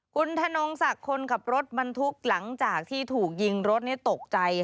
คุณธนงศักดิ์คนขับรถบรรทุกหลังจากที่ถูกยิงรถตกใจ